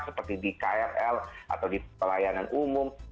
seperti di krl atau di pelayanan umum